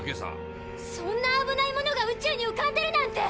そんな危ないものが宇宙に浮かんでるなんて！